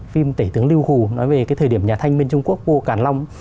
phim tể tướng lưu hù nói về cái thời điểm nhà thanh miên trung quốc vua cản long